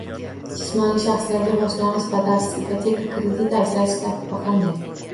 Jismoniy shaxslarga boshlang‘ich badalsiz ipoteka kredit ajratish tartibi qanday?